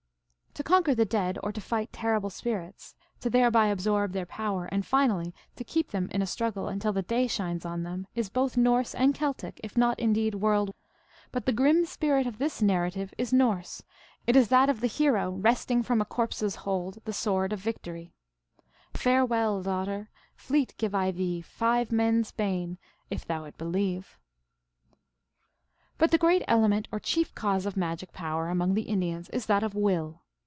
To conquer the dead, or to fight terrible spirits, to thereby absorb their power, and finally to keep them in a struggle until the day shines on them, is both Norse and Celtic, if not, indeed, world wide. But 350 THE ALGONQUIN LEGENDS. the grim spirit of this narrative is Norse ; it is that of the hero wresting from a corpse s hold the sword of victory. " Farewell, daughter ! Fleet give I thee, Five men s bane, If thou it believe." But the great element or chief cause of magic power among the Indians is that of Will.